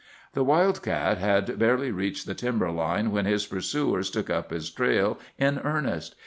The wild cat had barely reached the timber line when his pursuers took up his trail in earnest.